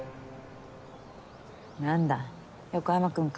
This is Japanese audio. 何だ横山君か。